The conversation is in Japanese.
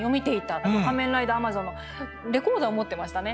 あと「仮面ライダーアマゾン」のレコードは持ってましたね。